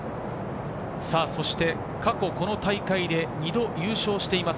そして過去この大会で２度優勝しています